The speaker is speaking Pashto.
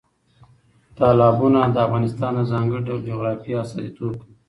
تالابونه د افغانستان د ځانګړي ډول جغرافیه استازیتوب کوي.